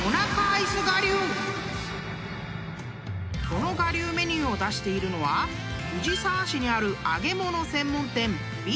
［この我流メニューを出しているのは藤沢市にある］